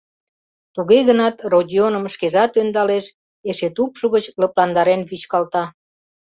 Туге гынат Родионым шкежат ӧндалеш, эше тупшо гыч лыпландарен вӱчкалта.